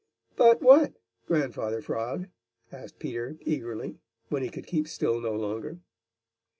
"But what, Grandfather Frog?" asked Peter eagerly, when he could keep still no longer.